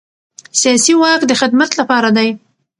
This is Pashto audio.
سیاسي واک د خدمت لپاره دی